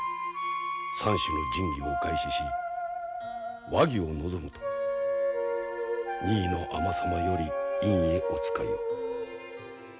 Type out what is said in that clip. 三種の神器をお返しし和議を望むと二位の尼様より院へお使いを。